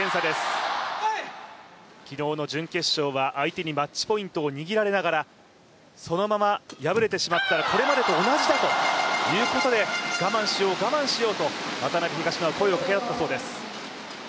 昨日の準決勝は相手にマッチポイントを握られてからそのまま敗れてしまったらこれまでと同じだということで我慢しよう、我慢しようと渡辺・東野は声をかけ合ったそうです。